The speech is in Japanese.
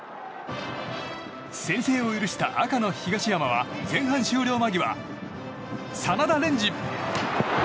先制を許した赤の東山は前半終了間際、真田蓮司。